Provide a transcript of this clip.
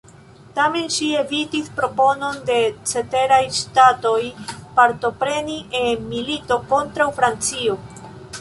Tamen ŝi evitis proponon de ceteraj ŝtatoj partopreni en milito kontraŭ Francio.